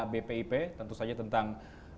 bpip tentu saja tentang